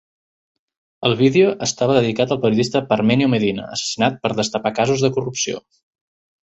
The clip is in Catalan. El vídeo estava dedicat al periodista Parmenio Medina, assassinat per destapar casos de corrupció.